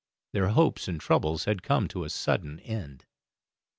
Their hopes and troubles had come to a sudden end.